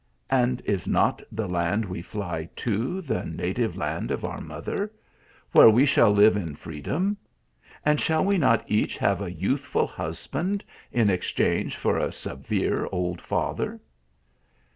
" And is not the land we fly to, the native land of 150 THE ALEAMBRA. our mother ; where we shall live in freedom ? and shall we not each have a youthful husband in ex change for a severe old father